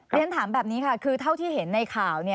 เรียนถามแบบนี้ค่ะคือเท่าที่เห็นในข่าว